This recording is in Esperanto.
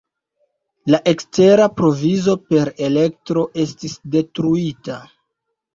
La ekstera provizo per elektro estis detruita.